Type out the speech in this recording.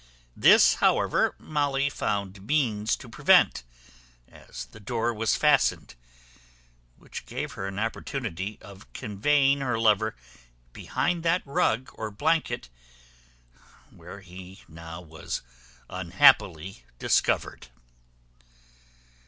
This, however, Molly found means to prevent, as the door was fastened; which gave her an opportunity of conveying her lover behind that rug or blanket where he now was unhappily discovered.